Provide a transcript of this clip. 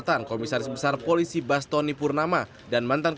dan juga memberi semangat kepada orang orang yang tahu